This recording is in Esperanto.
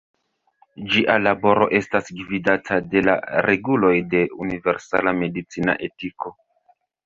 Ĝia laboro estas gvidita de la reguloj de universala medicina etiko.